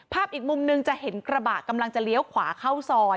อีกมุมหนึ่งจะเห็นกระบะกำลังจะเลี้ยวขวาเข้าซอย